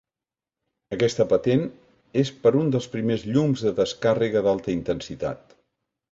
Aquesta patent és per un dels primers llums de descàrrega d'alta intensitat.